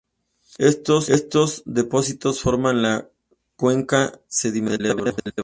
Estos depósitos forman la cuenca sedimentaria del Ebro.